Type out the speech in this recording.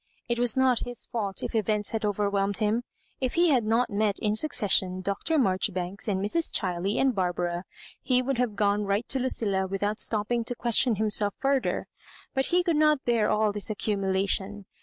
It was not his fault if events had overwhelmed him. If he had not met in succes sion Dr. Maijoribanks and Mrs. Ohiley and Bar bara, ho would have gone right to Lucilla with out stopping to question himself further, but he could not bear all this accumulation.